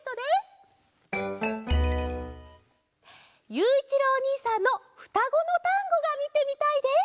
ゆういちろうおにいさんの「ふたごのタンゴ」がみてみたいです！